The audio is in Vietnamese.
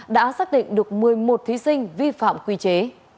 đã xác định được một mươi một thí sinh vi phạm quy chế